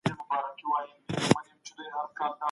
په علمي ډګر کې د رتبو او مقامونو لحاظ نه ساتل کېږي.